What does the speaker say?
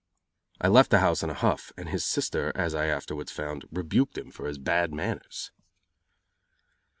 I left the house in a huff and his sister, as I afterwards found, rebuked him for his bad manners.